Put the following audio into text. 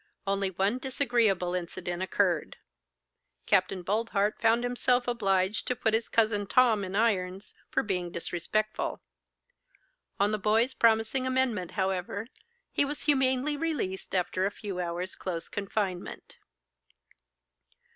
Only one disagreeable incident occurred. Capt. Boldheart found himself obliged to put his cousin Tom in irons, for being disrespectful. On the boy's promising amendment, however, he was humanely released after a few hours' close confinement.